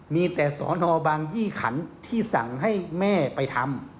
มีแต่สอนอบางยี่ขันที่สั่งให้แม่ไปทำ